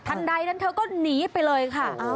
ใดนั้นเธอก็หนีไปเลยค่ะ